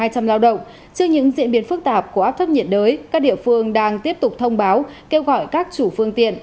trước những diễn biến phức tạp của áp thấp nhiệt đới các địa phương đang tiếp tục thông báo kêu gọi các chủ phương tiện